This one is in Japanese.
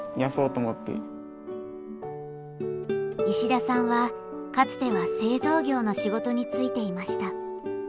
石田さんはかつては製造業の仕事に就いていました。